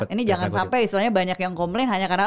ini jangan sampai istilahnya banyak yang komplain hanya karena